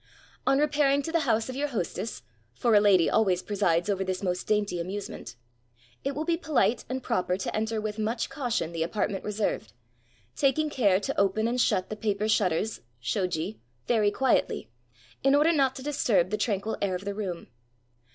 On repairing to the house of your hostess — for a lady always pre sides over this most dainty amusement — it will be polite and proper to enter with much caution the apart ment reserved, taking care to open and shut the paper shutters, shoji, very quietly, in order not to disturb the tranquil air of the room.